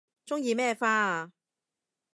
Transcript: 鍾意咩花啊